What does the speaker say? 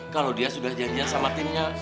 kalau dia sudah janjian sama timnya